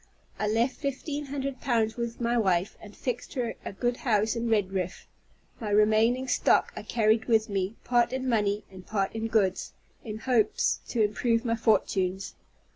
I left fifteen hundred pounds with my wife, and fixed her in a good house at Redriff. My remaining stock I carried with me, part in money and part in goods, in hopes to improve my fortunes.